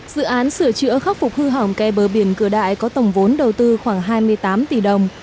dự án sửa chữa khắc phục hư hỏng kè bờ biển cửa đại có tổng vốn đầu tư khoảng hai mươi tám tỷ đồng